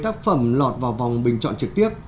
một mươi tác phẩm lọt vào vòng bình chọn trực tiếp